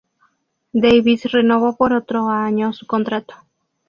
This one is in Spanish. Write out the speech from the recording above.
Davies renovó por otro año su contrato.